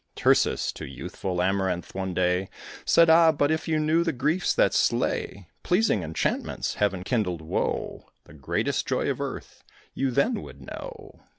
Tircis to youthful Amaranth, one day, Said, "Ah! but if you knew the griefs that slay! Pleasing enchantments! Heaven kindled woe! The greatest joy of earth you then would know.